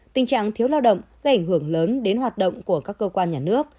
tình trạng thiếu lao động gây ảnh hưởng lớn đến hoạt động của các cơ quan nhà nước